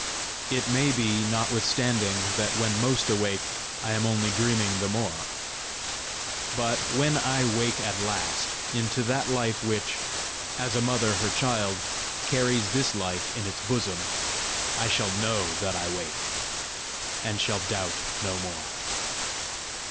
It may be, notwithstanding, that, when most awake, I am only dreaming the more! But when I wake at last into that life which, as a mother her child, carries this life in its bosom, I shall know that I wake, and shall doubt no more.